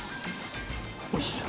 よいしょ。